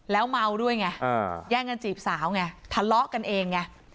แล้วเมาด้วยไงแย่งกันจีบสาวไงทะเลาะกันเองไง